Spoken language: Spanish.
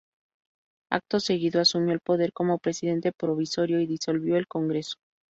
Acto seguido, asumió el poder como presidente provisorio y disolvió el Congreso.